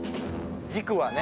軸はね